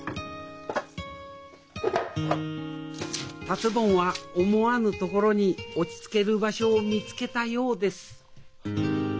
達ぼんは思わぬ所に落ち着ける場所を見つけたようです